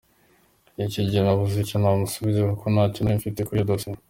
Icyo gihe nabuze icyo namusubiza kuko ntacyo narifite kuri iyo dossier.